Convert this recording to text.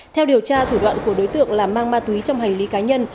theo điều tra thủ đoạn của đối tượng là mang ma túy trong hành lý cá nhân